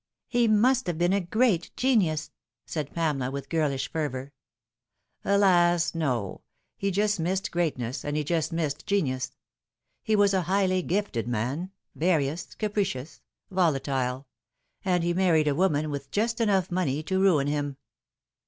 "He must have been a great genius," said Pamela, with girlish fervour. " Alas ! no, he just missed greatness, and he just missed genius. He was a highly gifted man various capricious volatile and he Harried a woman with just enough money to ruin him.